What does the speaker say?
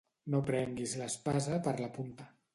No prenguis l'espasa per la punta.